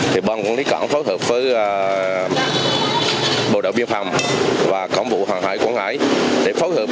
thì bọn quân lý cảng phối hợp với bộ đội biên phòng và cổng vụ hoàn hải của ngoại để phối hợp